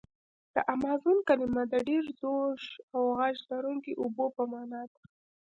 د امازون کلمه د ډېر زوږ او غږ لرونکي اوبو په معنا ده.